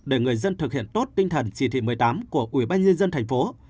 để người dân thực hiện tốt tinh thần chỉ thị một mươi tám của ubnd thành phố